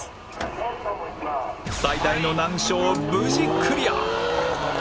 最大の難所を無事クリア！